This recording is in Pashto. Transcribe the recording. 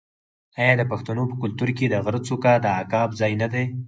آیا د پښتنو په کلتور کې د غره څوکه د عقاب ځای نه دی؟